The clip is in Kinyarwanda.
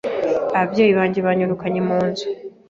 Ababyeyi banjye banyirukanye mu nzu